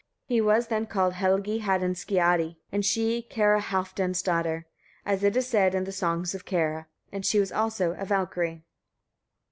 He was then called Helgi Haddingiaskadi, and she Kara Halfdan's daughter, as it is said in the songs of Kara; and she also was a Valkyria.